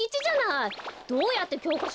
どうやってきょうかしょぬくのよ！